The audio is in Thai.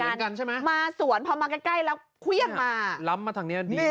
เหมือนกันใช่ไหมมาสวนพอมาใกล้ใกล้แล้วควี้ยกมาล้ำมาทางเนี้ยดี